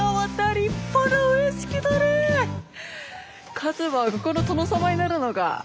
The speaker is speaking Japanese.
一馬はここの殿様になるのか。